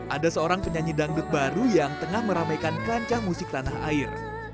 ada seorang penyanyi dangdut baru yang tengah meramaikan kancah musik tanah air